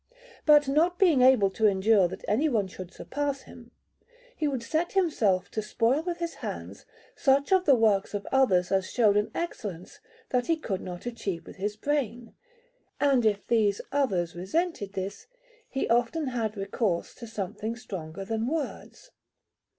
But not being able to endure that any one should surpass him, he would set himself to spoil with his hands such of the works of others as showed an excellence that he could not achieve with his brain; and if these others resented this, he often had recourse to something stronger than words.